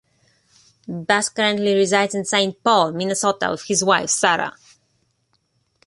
Buzz currently resides in Saint Paul, Minnesota with his wife Sarah.